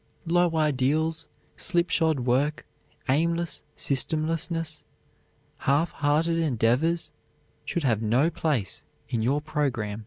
Low ideals, slipshod work, aimless, systemless, half hearted endeavors, should have no place in your program.